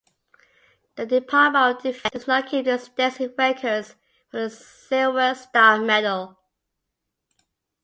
The Department of Defense does not keep extensive records for the Silver Star Medal.